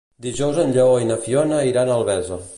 Dijous en Lleó i na Fiona iran a Albesa.